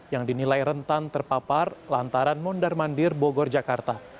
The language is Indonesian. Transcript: yang dinilai rentan terpapar lantaran mondar mandir bogor jakarta